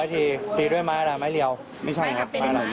เหลียวแค่ทีเดียว๙๙ทีเองเหรอ